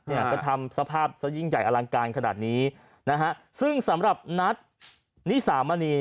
เนี่ยก็ทำสภาพซะยิ่งใหญ่อลังการขนาดนี้นะฮะซึ่งสำหรับนัทนิสามณี